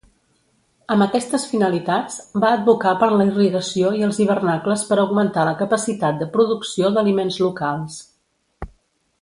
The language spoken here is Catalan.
Amb aquestes finalitats, va advocar per la irrigació i els hivernacles per augmentar la capacitat de producció d'aliments locals.